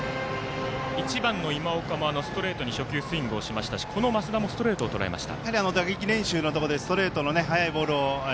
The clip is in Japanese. １番の今岡もストレートに初球、スイングをしましたしこの増田もストレートをとらえました。